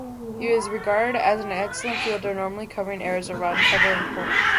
He was regarded as an excellent fielder normally covering areas around cover and point.